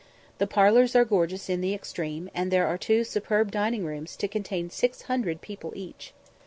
The parlours are gorgeous in the extreme, and there are two superb dining rooms to contain 600 people each.